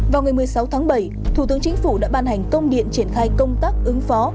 vào ngày một mươi sáu tháng bảy thủ tướng chính phủ đã ban hành công điện triển khai công tác ứng phó